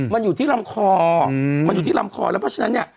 มันอยู่ที่ลำคอเพราะฉะนั้นเนี่ย